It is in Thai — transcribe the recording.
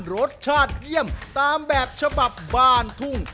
รสชาติเยี่ยมตามแบบฉบับบ้านทุ่ง